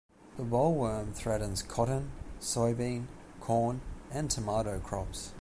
The bollworm threatens cotton, soybean, corn and tomato crops.